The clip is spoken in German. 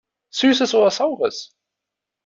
Süßes oder Saures!